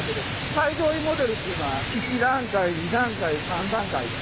最上位モデルというのは１段階２段階３段階で。